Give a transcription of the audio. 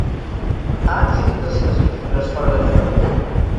Ha exhibit les seves pintures fora de Catalunya?